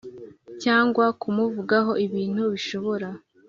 cyangwa kumuvugaho ibintu bishobora